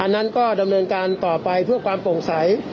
นั้นก็ดำเนินการต่อไปเพื่อความโปร่งใส